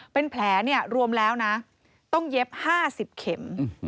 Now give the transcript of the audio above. เป็นแผลรวมแล้วนะต้องเย็บ๕๐เข็ม